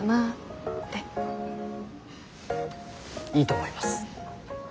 いいと思います。